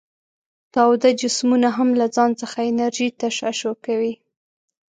تاوده جسمونه هم له ځانه څخه انرژي تشعشع کوي.